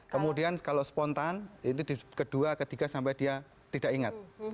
kemudian kalau spontan itu kedua ketiga sampai dia tidak ingat